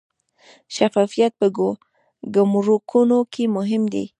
شفافیت په ګمرکونو کې مهم دی